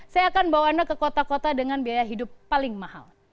saya akan bawa anda ke kota kota dengan biaya hidup paling mahal